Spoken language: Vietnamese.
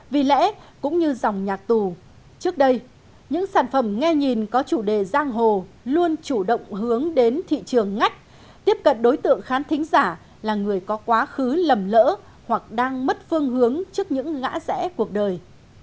vì lẽ cũng như dòng nhạc tù trước đây những sản phẩm nghe nhìn có chủ đề giang hồ luôn chủ động hướng đến thị trường ngách tiếp cận đối tượng khán thính giả là người có quá khứ lầm lỡ hoặc đang mất phương hướng trước những ngã rẽ cuộc đời